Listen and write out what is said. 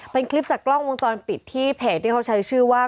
เป็นคลิปจากกล้องวงจรปิดที่เพจที่เขาใช้ชื่อว่า